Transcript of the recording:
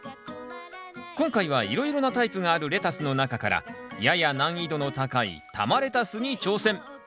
今回はいろいろなタイプがあるレタスの中からやや難易度の高い玉レタスに挑戦。